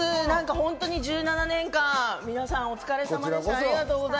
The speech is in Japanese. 本当に１７年間、皆さん、お疲れさまでした。